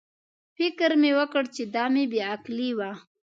فکر مې وکړ چې دا مې بې عقلي وه.